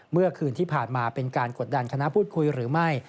เมื่อคืนที่ผ่านมาเป็นการกดดันคณะพูดคุยหรือไม่